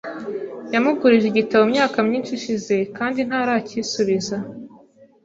Yamugurije igitabo mu myaka myinshi ishize kandi ntaracyisubiza .